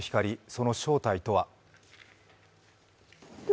その正体とは。